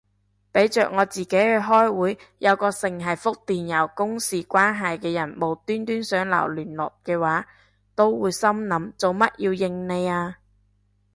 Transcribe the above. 俾着我自己去開會，有個剩係覆電郵公事關係嘅人無端端想留聯絡嘅話，都會心諗做乜要應你啊